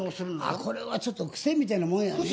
これはちょっと癖みたいなもんやね。